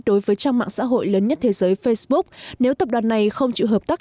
đối với trang mạng xã hội lớn nhất thế giới facebook nếu tập đoàn này không chịu hợp tác